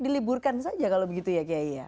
diliburkan saja kalau begitu ya kiai ya